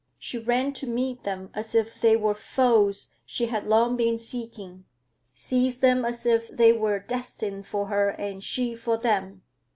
She ran to meet them as if they were foes she had long been seeking, seized them as if they were destined for her and she for them.